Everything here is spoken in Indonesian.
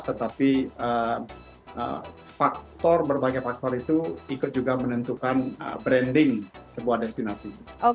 tetapi faktor berbagai faktor itu ikut juga menentukan branding sebuah destinasi